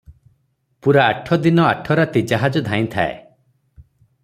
ପୂରା ଆଠ ଦିନ ଦିନ ରାତି ଜାହାଜ ଧାଇଁଥାଏ ।